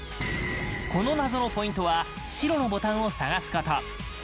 この謎のポイントは、白のボタンを探すこと。